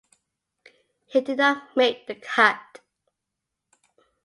He did not make the cut.